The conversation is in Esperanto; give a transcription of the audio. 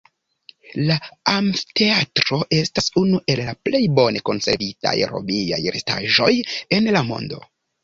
La amfiteatro estas unu el la plej bone konservitaj romiaj restaĵoj en la mondo.